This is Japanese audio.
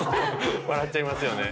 笑っちゃいますよね。